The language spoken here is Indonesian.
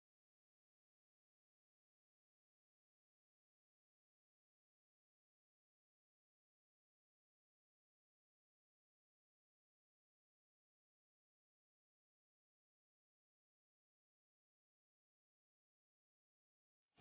kamu akan terserah